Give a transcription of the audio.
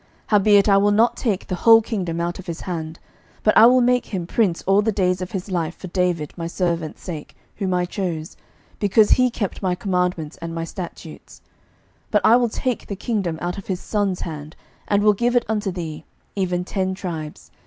11:011:034 Howbeit I will not take the whole kingdom out of his hand: but I will make him prince all the days of his life for David my servant's sake, whom I chose, because he kept my commandments and my statutes: 11:011:035 But I will take the kingdom out of his son's hand, and will give it unto thee, even ten tribes.